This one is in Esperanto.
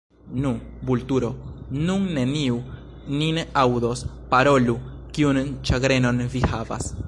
Nu, Vulturo, nun neniu nin aŭdos, parolu: kiun ĉagrenon vi havas?